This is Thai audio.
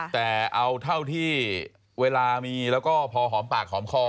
แต่เอาเท่าที่เวลามีแล้วก็พอหอมปากหอมคอ